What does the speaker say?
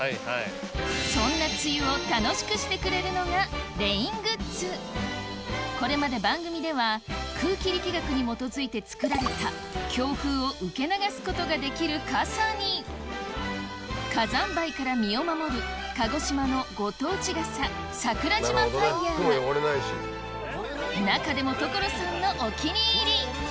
そんな梅雨を楽しくしてくれるのがレイングッズ空気力学に基づいて作られた強風を受け流すことができる傘に火山灰から身を守る鹿児島のご当地傘桜島ファイヤー中でも所さんのお気に入り